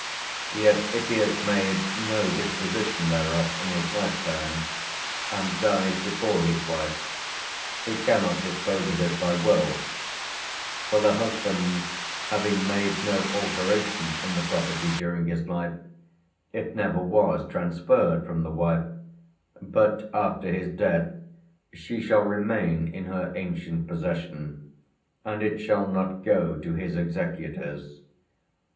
Yet, if he has made no disposition thereof in his lifetime, and dies before his wife, he cannot dispose of it by will: for, the husband having made no alteration in the property during his life, it never was transferred from the wife; but after his death she shall remain in her ancient possession, and it shall not go to his executors.